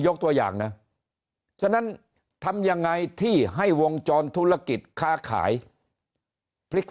ตัวอย่างนะฉะนั้นทำยังไงที่ให้วงจรธุรกิจค้าขายพลิก